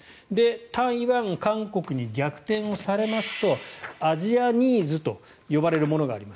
台湾、韓国に逆転をされますとアジアＮＩＥＳと呼ばれるものがあります。